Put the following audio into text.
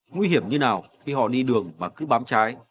nguy hiểm như nào khi họ đi đường mà cứ bám trái